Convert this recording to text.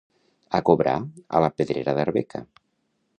A cobrar a la pedrera d'Arbeca.